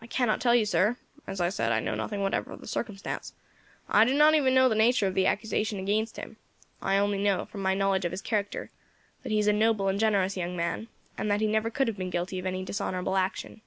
"I cannot tell you, sir. As I said, I know nothing whatever of the circumstance; I do not even know the nature of the accusation against him. I only know, from my knowledge of his character, that he is a noble and generous young man, and that he never could have been guilty of any dishonourable action."